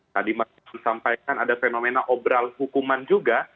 tadi mas sampaikan ada fenomena obral hukuman juga